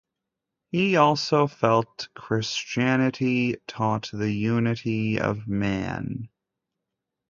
He also felt Christianity taught the unity of man.